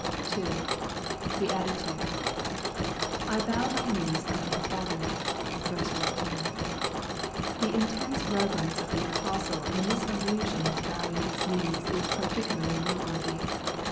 2. The Attitude. " I bow my knees unto the Father " (ver. 14). The intense reverence of the Apostle in this allusion to bowing his knees is particularly noteworthy.